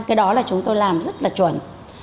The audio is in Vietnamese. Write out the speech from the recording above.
cái đó là chúng tôi làm rất là chuẩn